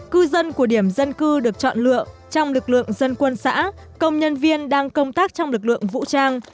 cư dân của điểm dân cư được chọn lựa trong lực lượng dân quân xã công nhân viên đang công tác trong lực lượng vũ trang